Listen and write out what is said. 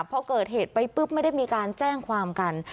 พอเกิดเหตุไปปุ๊บไม่ได้มีการแจ้งความกัน